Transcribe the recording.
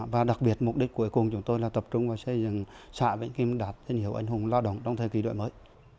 và đặc biệt mục đích cuối cùng chúng tôi là tập trung vào xây dựng xã vĩnh kim đạt thương hiệu anh hùng lao động trong thời kỳ đổi mới